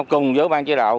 cùng với bàn chế đạo